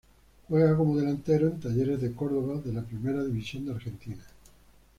Juega como delantero en Talleres de Córdoba, de la Primera División de Argentina.